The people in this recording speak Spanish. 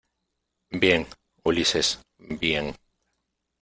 bien, Ulises , bien.